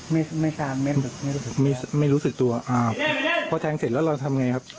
ไม่รู้สึกตัวไม่รู้สึกตัวพอแทงเสร็จแล้วเราทำยังไงครับ